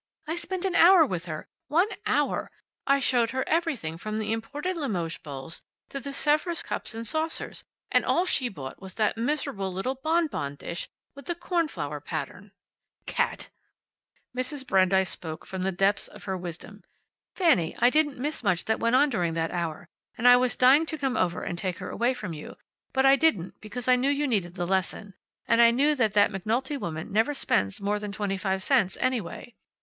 I spent an hour with her. One hour! I showed her everything from the imported Limoges bowls to the Sevres cups and saucers, and all she bought was that miserable little bonbon dish with the cornflower pattern. Cat!" Mrs. Brandeis spoke from the depths of her wisdom. "Fanny, I didn't miss much that went on during that hour, and I was dying to come over and take her away from you, but I didn't because I knew you needed the lesson, and I knew that that McNulty woman never spends more than twenty five cents, anyway.